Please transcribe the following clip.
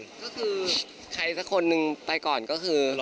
ก็คือใครสักคนหนึ่งไปก่อนก็คือ